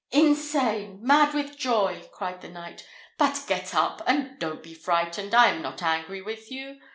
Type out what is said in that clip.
"Insane—mad with joy!" cried the knight. "But get up—and don't be frightened. I am not angry with you.